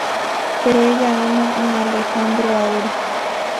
Pero ella ama a Alejandro ahora.